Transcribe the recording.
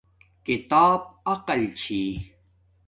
کتاب عقل چھی